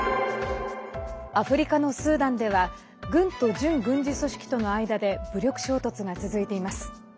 アフリカのスーダンでは軍と準軍事組織との間で武力衝突が続いています。